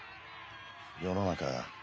世の中